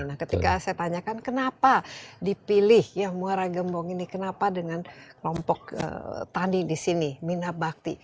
nah ketika saya tanyakan kenapa dipilih ya muara gembong ini kenapa dengan kelompok tanding disini minabakti